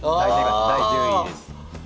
第１０位です。